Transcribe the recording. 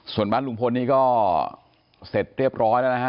ส่วนบ้านลุงพลนี่ก็เสร็จเรียบร้อยแล้วนะฮะ